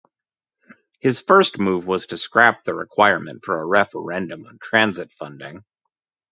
His first move was to scrap the requirement for a referendum on Transit funding.